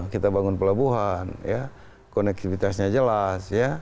kita bangun pelabuhan konektivitasnya jelas